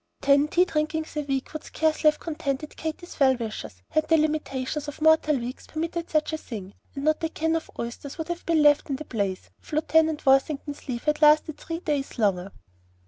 Ten tea drinkings a week would scarcely have contented Katy's well wishers, had the limitations of mortal weeks permitted such a thing; and not a can of oysters would have been left in the place if Lieutenant Worthington's leave had lasted three days longer.